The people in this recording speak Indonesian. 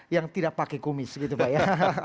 yang tidak pakai kumis gitu pak ya